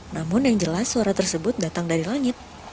namun yang jelas suara tersebut datang dari langit